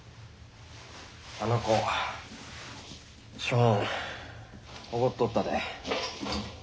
あの子ショーン怒っとったで。